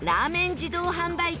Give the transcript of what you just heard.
自動販売機